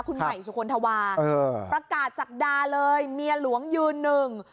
คุณใหม่สุคลธวาเออประกาศศักดาเลยเมียหลวงยืนหนึ่ง